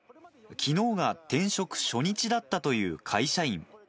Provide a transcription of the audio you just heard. きのうが転職初日だったという会社員。